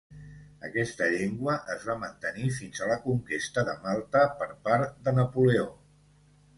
Aquesta llengua es va mantenir fins a la conquesta de Malta per part de Napoleó.